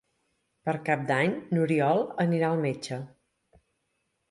Per Cap d'Any n'Oriol anirà al metge.